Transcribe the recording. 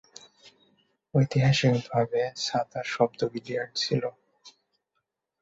ঐতিহাসিকভাবে, ছাতা শব্দ বিলিয়ার্ড ছিল।